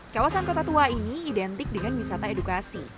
kawasan kota tua ini identik dengan wisata edukasi